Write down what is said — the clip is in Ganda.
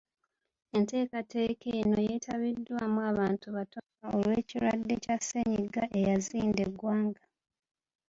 Enteekateeka eno yeetabiddwamu abantu batono olw’ekirwadde kya ssennyiga eyazinda eggwanga.